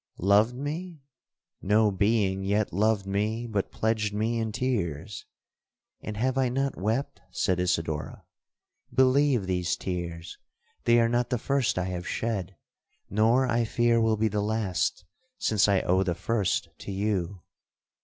'—'Loved me?—no being yet loved me but pledged me in tears.'—'And have I not wept?' said Isidora—'believe these tears—they are not the first I have shed, nor I fear will be the last, since I owe the first to you.'